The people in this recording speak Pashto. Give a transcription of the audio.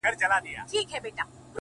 هغه به چاسره خبري کوي؛